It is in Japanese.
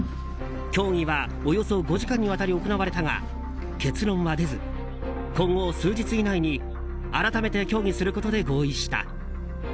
協議はおよそ５時間にわたり行われたが結論は出ず今後、数日以内に改めて協議することで合意した。